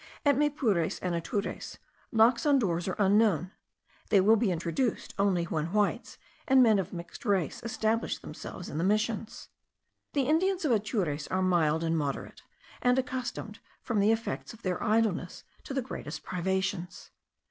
At Maypures and Atures, locks on doors are unknown: they will be introduced only when whites and men of mixed race establish themselves in the missions. The Indians of Atures are mild and moderate, and accustomed, from the effects of their idleness, to the greatest privations.